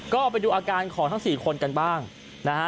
ก็ไปดูอาการของทั้ง๔คนกันบ้างนะฮะ